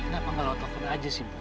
kenapa gak lo takut aja sih ibu